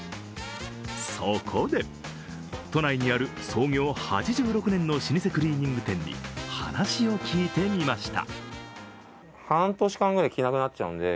そこで、都内にある創業８６年の老舗クリーニング店に話を聞いてみました。